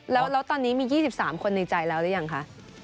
แล้วตอนนี้มี๒๓คนในใจแล้วหรือยังคะ